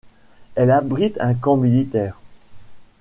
Elle abrite un camp militaire.